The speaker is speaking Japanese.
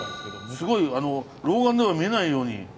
すごい老眼では見えないように書いてある。